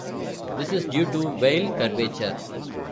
This is due to Weyl curvature.